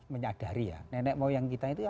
menyadari ya nenek moyang kita itu